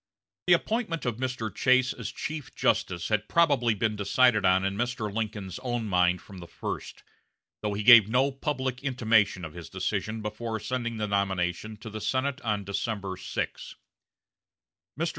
The appointment of Mr. Chase as chief justice had probably been decided on in Mr. Lincoln's own mind from the first, though he gave no public intimation of his decision before sending the nomination to the Senate on December 6. Mr.